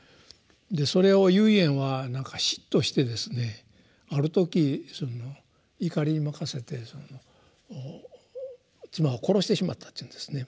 でそれを唯円はなんか嫉妬してですねある時怒りに任せて妻を殺してしまったっていうんですね。